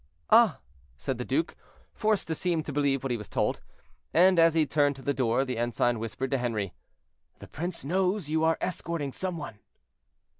"Ah!" said the duke, forced to seem to believe what he was told. And as he turned to the door the ensign whispered to Henri, "The prince knows you are escorting some one."